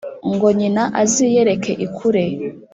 ngo nyina aziyireke ikure